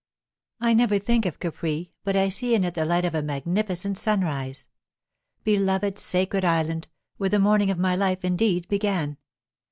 "I never think of Capri but I see it in the light of a magnificent sunrise. Beloved, sacred island, where the morning of my life indeed began!